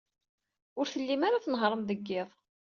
Ur tellim ara tnehhṛem deg yiḍ.